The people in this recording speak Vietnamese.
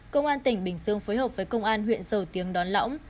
công an tỉnh bình dương phối hợp với công an huyện dầu tiếng đón lõng